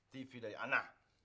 tv dari ana